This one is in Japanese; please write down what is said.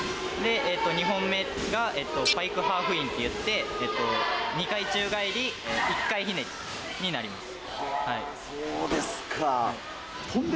２本目がパイクハーフィンっていって２回宙返り１回ひねりになります。